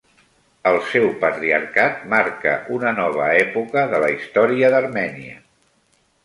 Els seu patriarcat marca una nova època de la història d'Armènia.